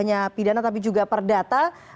hanya pidana tapi juga perdata